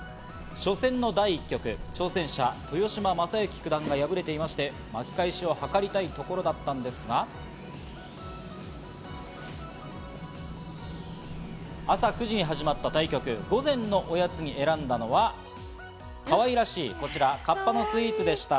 初戦の第１局、挑戦者・豊島将之九段が敗れていまして、巻き返しを図りたいところだったんですが、朝９時に始まった対局、午前のおやつに選んだのは、可愛らしいこちらカッパのスイーツでした。